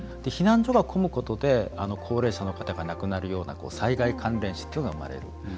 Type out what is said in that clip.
避難所が混むことで高齢者の方が亡くなるような災害関連死というのが生まれる。